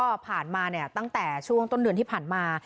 ก็ผ่านมาเนี่ยตั้งแต่ช่วงต้นเดือนที่ผ่านมา